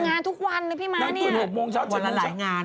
ทำงานทุกวันเลยพี่ม้าเนี่ยวันละหลายงานวันละหลายงาน